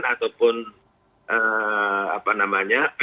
ataupun apa namanya